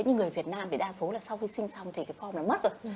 nhưng người việt nam thì đa số là sau khi sinh xong thì cái form nó mất rồi